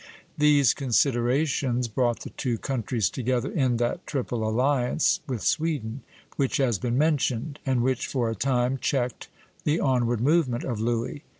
'" These considerations brought the two countries together in that Triple Alliance with Sweden which has been mentioned, and which for a time checked the onward movement of Louis.